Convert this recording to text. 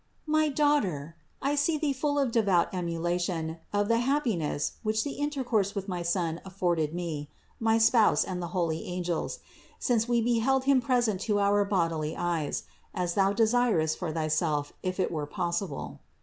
510. My daughter, I see thee full of devout emulation of the happiness, which the intercourse with my Son af forded me, my spouse and the holy angels, since we be held Him present to our bodily eyes as thou desirest for thyself, if it were possible.